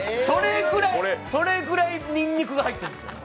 それぐらい、にんにくが入ってるんですよ。